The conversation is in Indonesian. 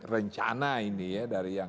rencana ini ya dari